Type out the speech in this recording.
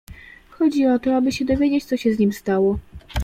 "Chodzi o to, aby się dowiedzieć, co się z nim stało."